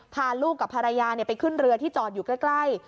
พาลูกกับภรรยาไปขึ้นเรือที่จอดอยู่ใกล้